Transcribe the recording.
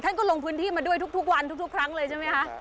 ท่านก็ลงพื้นที่มาด้วยทุกวันทุกครั้งเลยใช่ไหมคะ